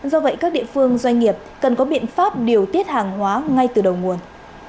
do vậy các địa phương doanh nghiệp cần có biện pháp điều tiết hàng hóa ngay từ đầu nguồn